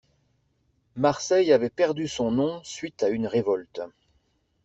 Marseille avait perdu son nom suite à une révolte.